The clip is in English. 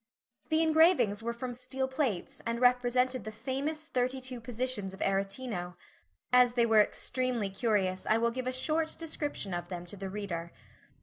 The engravings were from steel plates and represented the famous thirty two positions of Aretino. As they were extremely curious I will give a short description of them to the reader.